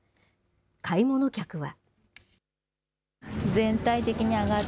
買い物客は。